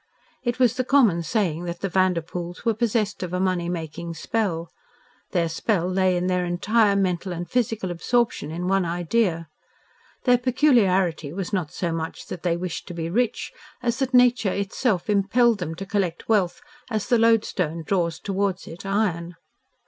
It was the common saying that the Vanderpoels were possessed of a money making spell. Their spell lay in their entire mental and physical absorption in one idea. Their peculiarity was not so much that they wished to be rich as that Nature itself impelled them to collect wealth as the load stone draws towards it iron.